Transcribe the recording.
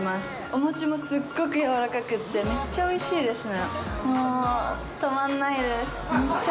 お餅もすっごくやわらかくてめっちゃおいしいですね。